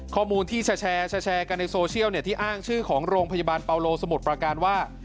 ข้อมูลที่แชร์กันในโซเชียลที่อ้างชื่อของโรงพยาบาลเปาโลสมุทรประการว่า